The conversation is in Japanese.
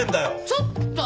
ちょっと。